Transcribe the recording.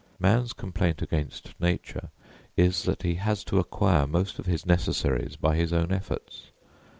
Man's complaint against nature is that he has to acquire most of his necessaries by his own efforts.